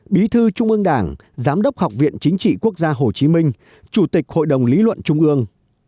bí thư trung ương đảng